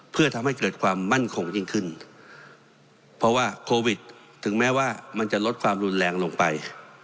เพื่อทำให้เกิดความมั่นคงยิ่งขึ้นเพราะว่าโควิดถึงแม้ว่ามันจะลดความรุนแรงลงไป